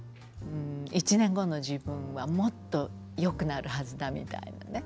１年後の自分はもっとよくなるはずだみたいなね